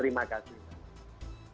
baik baik terima kasih